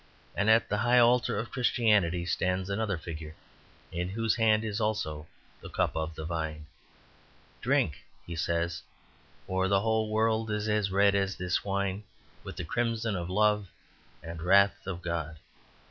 And at the high altar of Christianity stands another figure, in whose hand also is the cup of the vine. "Drink" he says "for the whole world is as red as this wine, with the crimson of the love and wrath of God.